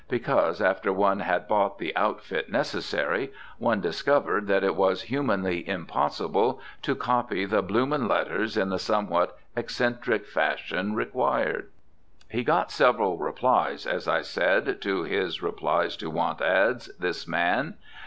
Because, after one had bought the "outfit" necessary one discovered that it was humanly impossible to copy the bloomin' letters in the somewhat eccentric fashion required. He got several replies, as I said, to his replies to want "ads," this man.